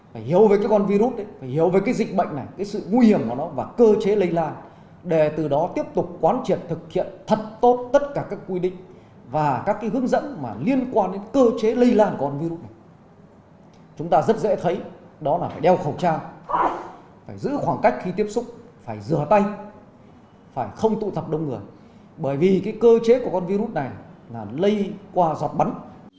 bởi vì cái cơ chế của con virus này là lây qua giọt bắn